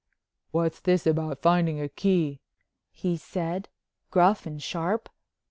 "What's this about finding a key?" he said gruff and sharp.